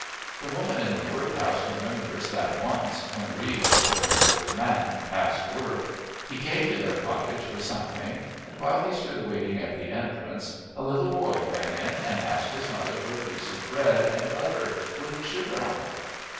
The woman in the workhouse remembers that once, when Reed was a very old man past work, he came to their cottage for something, and while he stood waiting at the entrance, a little boy ran in and asked his mother for a piece of bread and butter with sugar on it.